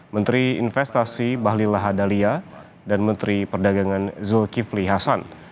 menteri investasi bahlil lahadalia dan menteri perdagangan zulkifli hasan